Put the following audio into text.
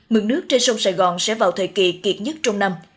mực nước trên sông sài gòn sẽ vào thời kỳ kiệt nhất trong năm